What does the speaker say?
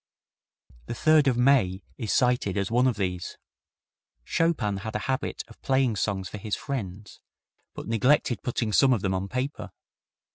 The Third of May is cited as one of these. Chopin had a habit of playing songs for his friends, but neglected putting some of them on paper.